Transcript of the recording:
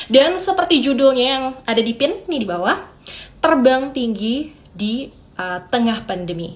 dan seperti judulnya yang ada di pin ini di bawah terbang tinggi di tengah pandemi